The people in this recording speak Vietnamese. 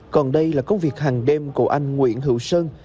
còn đây là công việc hàng đêm của anh nguyễn hữu sơn